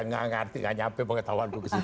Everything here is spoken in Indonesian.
gak ngerti gak nyampe pengetahuanku kesitu